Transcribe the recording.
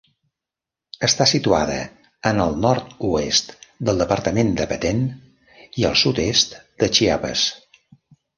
Està situada en el nord-oest del departament de Petén i el sud-est de Chiapas.